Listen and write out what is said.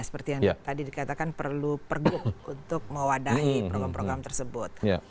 seperti yang tadi dikatakan perlu pergub untuk mewadahi program program tersebut